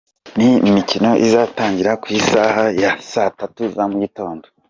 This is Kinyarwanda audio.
Ni imikino izatangira ku isaha ya saa tatu za mu gitondo.